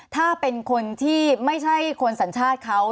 ถ้าเป็นคนที่ไม่ใช่คนสัญชาติเขา